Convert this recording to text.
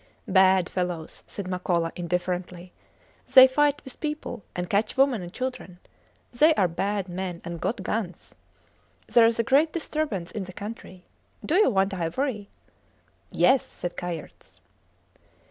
Bad fellows, said Makola, indifferently. They fight with people, and catch women and children. They are bad men, and got guns. There is a great disturbance in the country. Do you want ivory? Yes, said Kayerts.